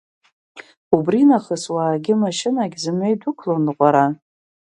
Убри нахыс уаагьы машьынагь, зымҩа идәықәлон ныҟәара.